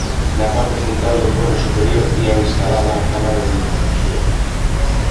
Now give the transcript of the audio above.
Na parte central do cono superior ía instalada a cámara de ionización.